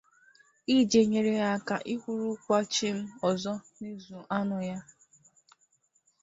iji nyere ya aka ịkwụrụkwa chịm ọzọ n'ịzụ anụ ya